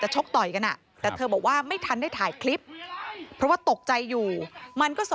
จากแม่เขาเลยค่ะ